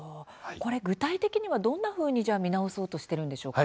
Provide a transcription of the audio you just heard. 具体的にはどんなふうに見直そうとしているんでしょうか。